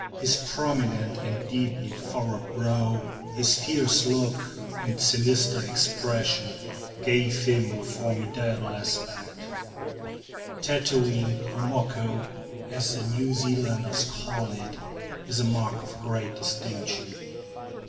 His prominent and deeply furrowed brow, his fierce look, and sinister expression, gave him a formidable aspect. Tattooing, or "moko," as the New Zealanders call it, is a mark of great distinction.